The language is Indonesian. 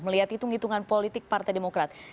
melihat hitung hitungan politik partai demokrat